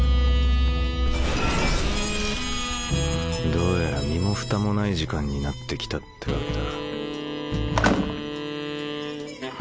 どうやら身もふたもない時間になって来たってわけだ。